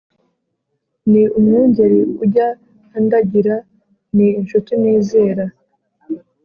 Ni umwungeri ujya andagira ni inshuti nizera